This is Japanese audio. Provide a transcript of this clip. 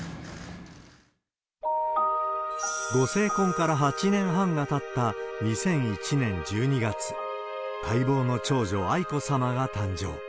ご成婚から８年半がたった２００１年１２月、待望の長女、愛子さまが誕生。